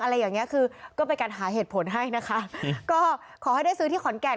อะไรอย่างเงี้ยคือก็เป็นการหาเหตุผลให้นะคะก็ขอให้ได้ซื้อที่ขอนแก่น